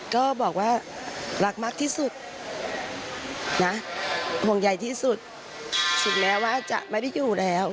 ก็บอกว่ารักมากที่สุดนะห่วงใหญ่ที่สุดถึงแม้ว่าจะไม่ได้อยู่แล้ว